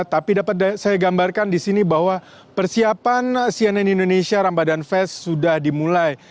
tapi dapat saya gambarkan di sini bahwa persiapan cnn indonesia ramadan fest sudah dimulai